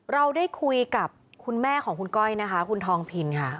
เราได้คุยกับคุณแม่ของคุณก้อยนะคะคุณทองพินค่ะ